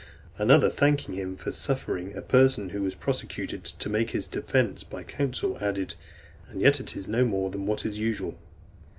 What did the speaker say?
Another thanking him for suffering a person who was prosecuted to make his defence by counsel, added, "And yet it is no more than what is usual."